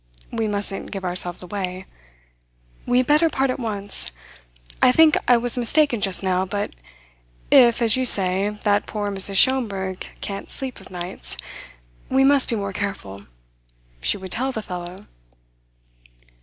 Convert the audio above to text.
We mustn't give ourselves away. We had better part at once. I think I was mistaken just now; but if, as you say, that poor Mrs. Schomberg can't sleep of nights, we must be more careful. She would tell the fellow."